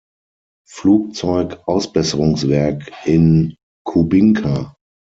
Flugzeug-Ausbesserungswerk in Kubinka.